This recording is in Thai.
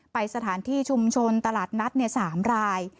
ไปสถานที่ชุมชนตลาดนัด๓ราย